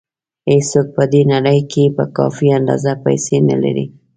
هېڅوک په دې نړۍ کې په کافي اندازه پیسې نه لري.